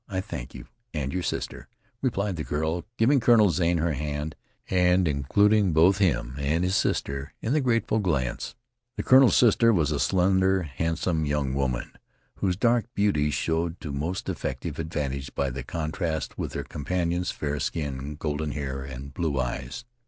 I thank you and your sister," replied the girl, giving Colonel Zane her hand, and including both him and his sister in her grateful glance. The colonel's sister was a slender, handsome young woman, whose dark beauty showed to most effective advantage by the contrast with her companion's fair skin, golden hair, and blue eyes.